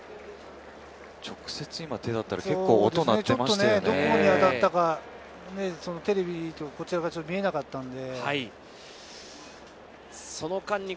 ちょっとどこに当たったかこちらではちょっと見えなかったので。